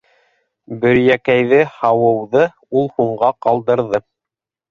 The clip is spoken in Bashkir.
Бөйрәкәйҙе һауыуҙы ул һуңға ҡалдырҙы.